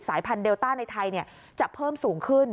พันธุเดลต้าในไทยจะเพิ่มสูงขึ้น